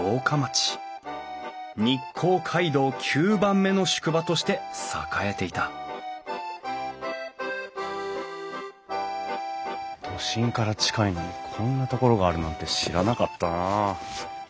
日光街道９番目の宿場として栄えていた都心から近いのにこんな所があるなんて知らなかったなあ。